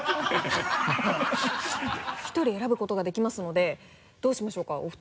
１人選ぶことができますのでどうしましょうか？